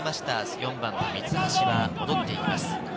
４番の三橋は戻っています。